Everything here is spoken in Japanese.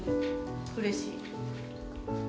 うれしい。